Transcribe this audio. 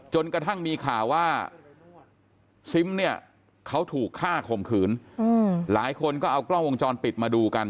จนกระทั่งมีข่าวว่าซิมเนี่ยเขาถูกฆ่าข่มขืนหลายคนก็เอากล้องวงจรปิดมาดูกัน